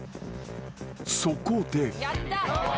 ［そこで］